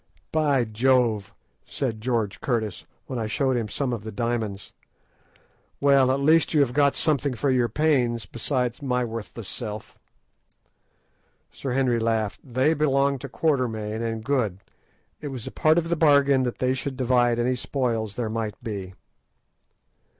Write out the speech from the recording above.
"By Jove!" said George Curtis, when I showed him some of the diamonds: "well, at least you have got something for your pains, besides my worthless self." Sir Henry laughed. "They belong to Quatermain and Good. It was a part of the bargain that they should divide any spoils there might be."